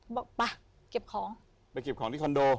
เขาบอกไปเก็บของ